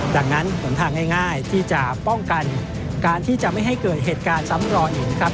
ดังนั้นหนทางง่ายที่จะป้องกันการที่จะไม่ให้เกิดเหตุการณ์ซ้ำรอยอีกนะครับ